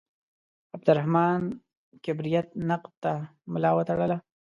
عبدالرحمان کبریت نقد ته ملا وتړله.